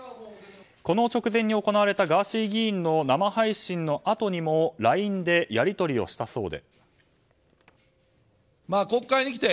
この直前に行われたガーシー議員の生配信のあとにもＬＩＮＥでやり取りをしたそうで。